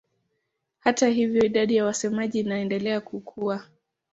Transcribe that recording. Hata hivyo idadi ya wasemaji inaendelea kukua.